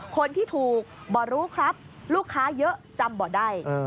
คนที่ถูกบ่อรู้ครับลูกค้าเยอะจำบ่อได้